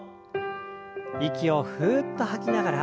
息をふっと吐きながら。